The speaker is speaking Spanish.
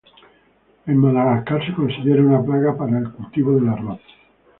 En Madagascar se considera una plaga para el cultivo del arroz.